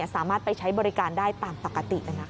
สามารถไปใช้บริการได้ตามปกติ